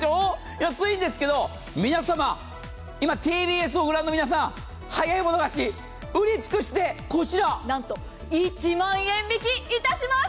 安いんですけど、今ＴＢＳをご覧の皆様、早いもの勝ち、売り尽くしでこちらなんと、１万円引きいたします。